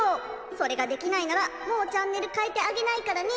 それができないならもうチャンネルかえてあげないからね」。